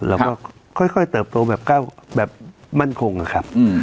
เราก็ค่อยเติบโตแบบมั่นคงนะครับ